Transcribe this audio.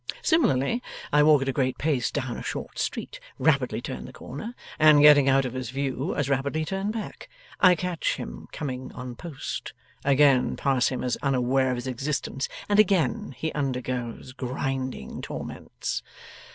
Similarly, I walk at a great pace down a short street, rapidly turn the corner, and, getting out of his view, as rapidly turn back. I catch him coming on post, again pass him as unaware of his existence, and again he undergoes grinding torments.